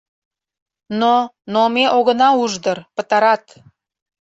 — Но... но ме огына уж дыр, пытарат...